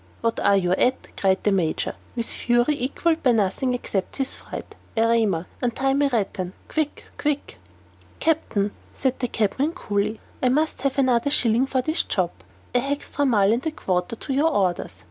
"What are you at?" cried the Major, with fury equalled by nothing except his fright. "Erema, untie my big rattan. Quick quick " "Captain," said the cabman, coolly, "I must have another shilling for this job. A hextra mile and a quarter, to your orders.